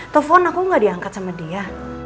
telepon aku gak diangkat sama dia